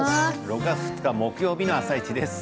６月２日木曜日の「あさイチ」です。